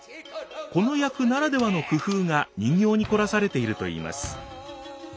この役ならではの工夫が人形に凝らされているといいます。